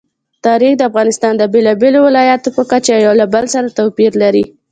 تاریخ د افغانستان د بېلابېلو ولایاتو په کچه یو له بل سره توپیر لري.